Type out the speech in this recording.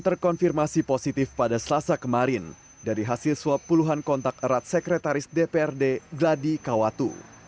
terkonfirmasi positif pada selasa kemarin dari hasil swab puluhan kontak erat sekretaris dprd gladi kawatu